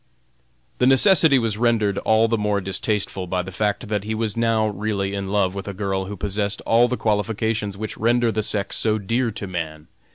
The necessity was rendered all the more distasteful by the fact that he was now really in love with a girl who possessed all the qualifications which render the sex so dear to man.